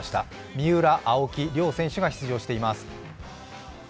三浦、青木両選手が出場しています。